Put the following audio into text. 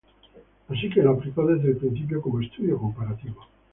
Así que lo aplicó desde el principio como estudio comparativo.